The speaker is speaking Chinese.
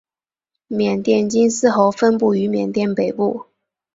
缅甸金丝猴分布于缅甸北部。